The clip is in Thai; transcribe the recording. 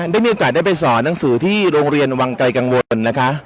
ได้มีโอกาสได้ไปสอนหนังสือที่โรงเรียนวังไกลกังวลนะคะ